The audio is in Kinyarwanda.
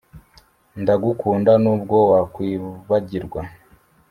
ndagukunda, nubwo wakwibagirwa